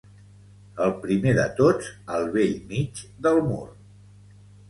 El primer de tots al bell mig del mur.